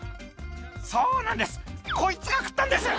「そうなんですこいつが食ったんです！」